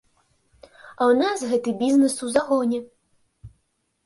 А ў нас гэты бізнес у загоне.